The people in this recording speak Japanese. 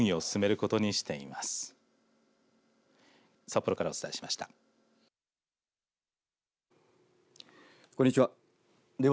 こんにちは。